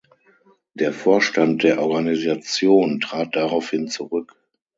Der Vorstand der Organisation trat daraufhin zurück.